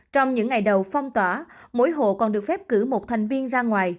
trong những ngày đầu phong tỏa mỗi hộ còn được phép cử một thành viên ra ngoài